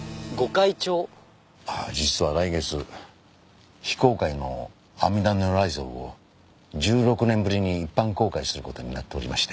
実は来月非公開の阿弥陀如来像を１６年ぶりに一般公開する事になっておりまして。